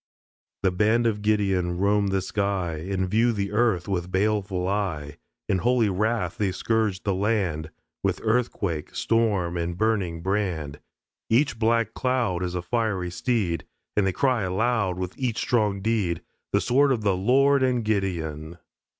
The band of Gideon roam the sky And view the earth with baleful eye; In holy wrath they scourge the land With earthquake, storm and burning brand. Each black cloud Is a fiery steed. And they cry aloud With each strong deed, "The sword of the Lord and Gideon."